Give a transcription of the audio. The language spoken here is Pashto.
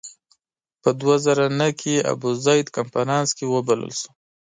په دوه زره نهه کې ابوزید کنفرانس کې وبلل شو.